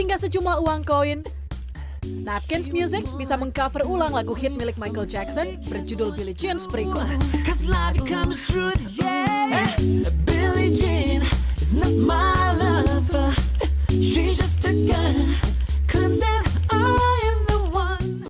napkins music bisa meng cover ulang lagu hit milik michael jackson berjudul billie jean seberikutnya